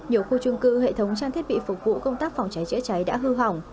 nhiều khu trung cư hệ thống trang thiết bị phục vụ công tác phòng cháy chữa cháy đã hư hỏng